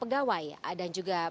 pegawai dan juga